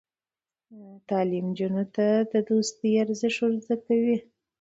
تعلیم نجونو ته د دوستۍ ارزښت ور زده کوي.